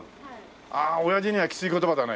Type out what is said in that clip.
ああおやじにはきつい言葉だね。